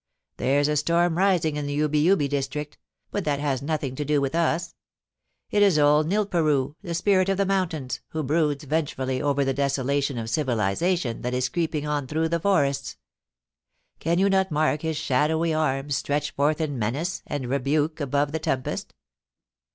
There's a storm rising in the Ubi Ubi district, but that has nothing to do with us. It is old Nilparoo, the spirit of the mountains, who broods venge fully over the desolation of civilisation that is creeping on through the forests. ... Can you not mark his shadowy arms stretched forth in menace and rebuke above the tem pest?